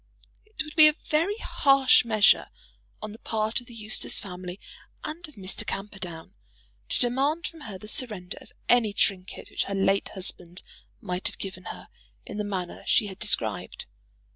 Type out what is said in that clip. It would be a very harsh measure, on the part of the Eustace family and of Mr. Camperdown, to demand from her the surrender of any trinket which her late husband might have given her in the manner she had described.